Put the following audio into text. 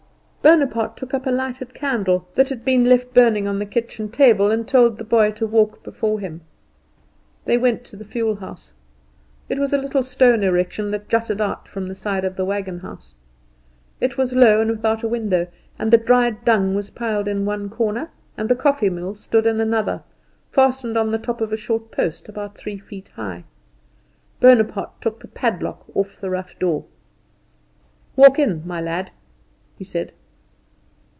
Bonaparte took up a lighted candle that had been left burning on the kitchen table, and told the boy to walk before him. They went to the fuel house. It was a little stone erection that jutted out from the side of the wagon house. It was low and without a window, and the dried dung was piled in one corner, and the coffee mill stood in another, fastened on the top of a short post about three feet high. Bonaparte took the padlock off the rough door. "Walk in, my lad," he said.